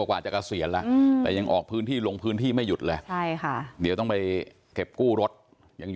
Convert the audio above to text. ถ้าสะตาติดถ้าไม่มีปัญหาจะขับออกมา